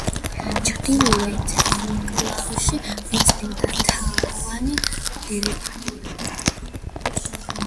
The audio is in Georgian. ჩრდილოეთ მკლავში ვიწრო და თაღოვანი დერეფანია.